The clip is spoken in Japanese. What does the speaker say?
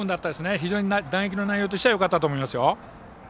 非常に打撃の内容としてはよかったと思いますよ。